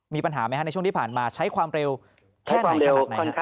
มีปัญหาไหมฮะในช่วงที่ผ่านมาใช้ความเร็วแค่ไหนขนาดไหน